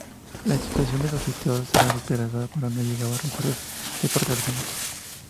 La situación de los sitiados era desesperada, pues no llegaban refuerzos de parte alguna.